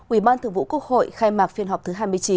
ubth khai mạc phiên họp thứ hai mươi chín